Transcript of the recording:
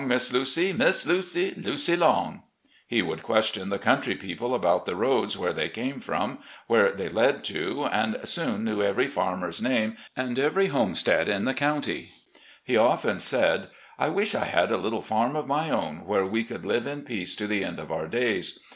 Miss Lucy, Miss Lucy, Lucy Long !' He would question the country people about the roads, where they came from, where they led to, and soon knew every farmer's name and every homestead in the cotmty. He often said: "' I widi I had a little farm of my own, where we could live in peace to the end of our days.